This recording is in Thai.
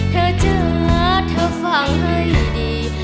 เธอเจอเธอฟังให้ดี